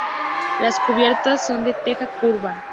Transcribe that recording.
Las cubiertas son de teja curva.